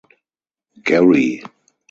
Gerry.